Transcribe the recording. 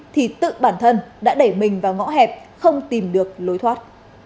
kỳ tự bản thân đã để mình vào ngõ hẹp không tìm được lối thoát